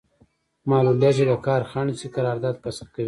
معلولیت چې د کار خنډ شي قرارداد فسخه کوي.